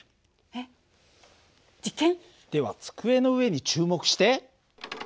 えっ実験？では机の上に注目して。